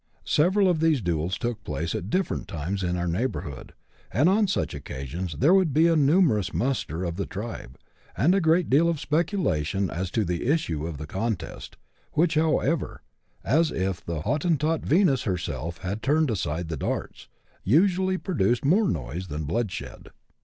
Several of these duels took place at different times in our neighbourhood ; and on such occasions there would be a numerous muster of the tribe, and a great deal of speculation as to the issue of the contest, which, however, as if the Hottentot Venus herself had turned aside the darts, usually produced more noise than bloodshed.